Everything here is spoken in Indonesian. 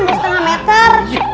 masa setengah meter